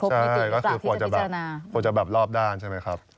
ใช่เพราะจะรอบด้านใช่ไหมครับ